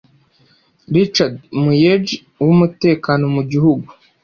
Richard Muyej w’umutekano mu gihugu